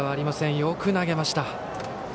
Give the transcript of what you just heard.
よく投げました。